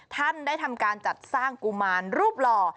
ท่านได้ทำการจัดสร้างกุมารรูปหล่อ